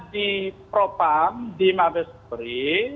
di propam di mabesuri